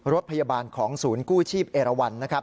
รถพยาบาลของศูนย์กู้ชีพเอรวัณ